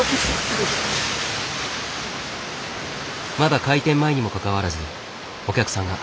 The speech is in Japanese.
まだ開店前にもかかわらずお客さんが。